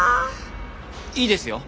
いいですよ。